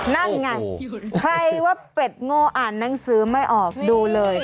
นั่นไงใครว่าเป็ดโง่อ่านหนังสือไม่ออกดูเลย